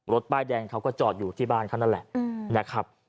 ป้ายแดงเขาก็จอดอยู่ที่บ้านเขานั่นแหละนะครับ